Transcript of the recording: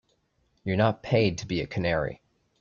You're not paid to be a canary.